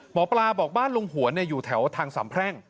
หมอปลาบอกบ้านลุงหวนอยู่แถวทางสามแพร่ง